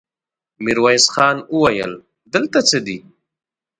ميرويس خان وويل: دلته څه دي؟